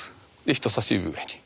人さし指上に。